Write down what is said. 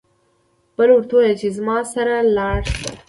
بل ورته وايي چې زما سره لاړ شه.